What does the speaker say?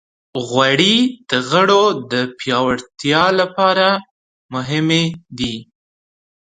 غوړې د غړو د پیاوړتیا لپاره مهمې دي.